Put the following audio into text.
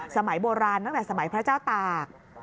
สมัยโบราณตั้งแต่สมัยพระเจ้าตาก